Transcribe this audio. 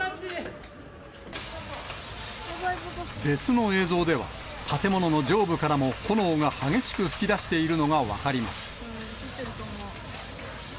別の映像では、建物の上部からも炎が激しく噴き出しているのが分かります。